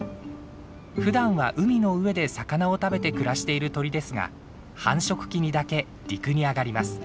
ふだんは海の上で魚を食べて暮らしている鳥ですが繁殖期にだけ陸に上がります。